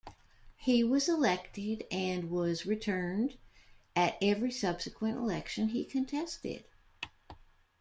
He was elected and was returned at every subsequent election he contested.